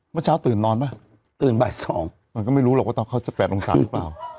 เมื่อเช้าตื่นนอนป่ะตื่นบ่าย๒มันก็ไม่รู้หรอกว่าตอนเขา๑๘องศาหรือเปล่า